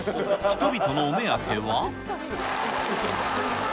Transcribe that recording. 人々のお目当ては。